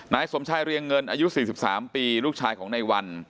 นายสมชายเรียงเงินอายุ๔๓ปีลูกชายของในวัน